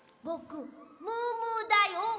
ぼくムームーだよ。